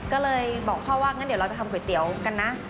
ก็เลยบอกพ่อว่างั้นเดี๋ยวเราจะทำก๋วยเตี๋ยวกันนะ